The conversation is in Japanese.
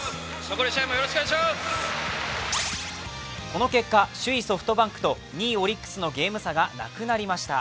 この結果、首位・ソフトバンクと２位・オリックスのゲーム差がなくなりました。